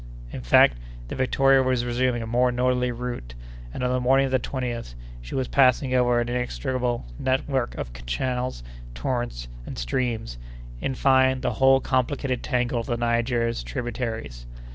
In fact, the Victoria was resuming a more northerly route, and on the morning of the 20th she was passing over an inextricable network of channels, torrents, and streams, in fine, the whole complicated tangle of the Niger's tributaries.